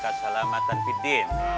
wa minaka salamatan fi din